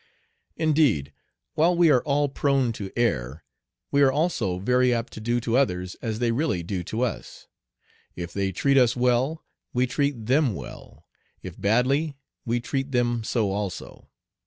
Indeed, while we are all prone to err, we are also very apt to do to others as they really do to us. If they treat us well, we treat them well; if badly, we treat them so also.